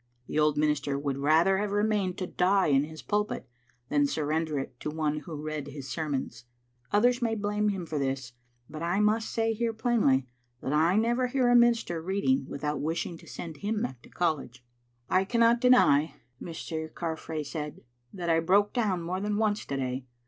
The old minister would rather have remained to die in his pulpit than surrender it to one who read his sermons. Others may blame him for this, but I must say here plainly that I never hear a minister reading without wishing to send him back to collegei. Digitized by VjOOQ IC "I cannot deny," Mr. Carfrae said, "that I broke down more than once to day.